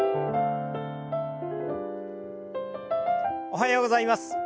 おはようございます。